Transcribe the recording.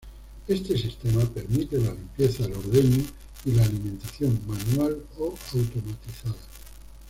Este sistema permite la limpieza, el ordeño y la alimentación manual o automatizada.